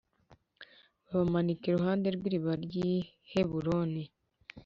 babamanika iruhande rw’iriba ry’i Heburoni.